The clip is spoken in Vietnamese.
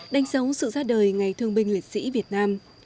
đánh dấu sự ra đời ngày thương binh liệt sĩ việt nam